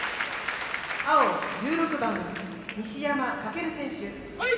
青１６番西山走選手。